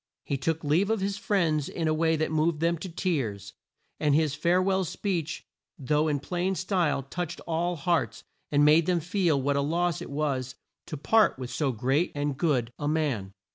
He took leave of his friends in a way that moved them to tears; and his fare well speech, though in plain style, touched all hearts and made them feel what a loss it was to part with so great and good a man.